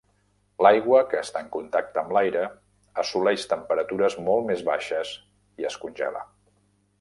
L'aigua que està en contacte amb l'aire assoleix temperatures molt més baixes i es congela.